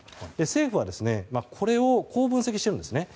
政府はこれをこう分析しているんです。